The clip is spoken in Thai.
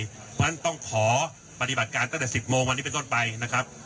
เพราะฉะนั้นต้องขอปฏิบัติการตั้งแต่๑๐โมงวันนี้เป็นต้นไปนะครับ